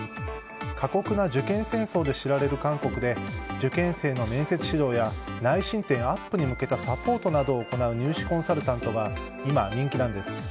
過酷な受験戦争で知られる韓国で受験生の面接指導や内申点アップに向けたサポートなどを行う入試コンサルタントが今、人気なんです。